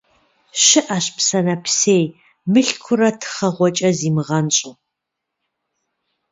Щыӏэщ псэ нэпсей, мылъкурэ тхъэгъуэкӏэ зимыгъэнщӏу.